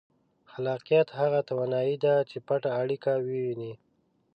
خلاقیت هغه توانایي ده چې پټه اړیکه ووینئ.